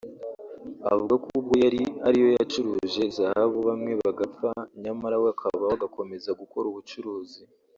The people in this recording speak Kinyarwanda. Avuga ko ubwo yari ariyo yacuruje zahabu bamwe bagapfa nyamara we akabaho agakomeza gukora ubucuruzi